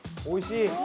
おいしい？